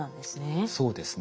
そうですね。